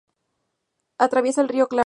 Atraviesa el río Claro.